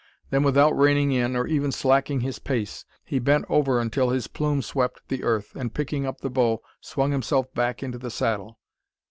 Then, without reining in, or even slacking his pace, he bent over until his plume swept the earth, and picking up the bow, swung himself back into the saddle.